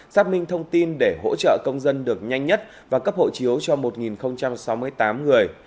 xác minh thông tin để hỗ trợ công dân được nhanh nhất và cấp hộ chiếu cho một sáu mươi tám người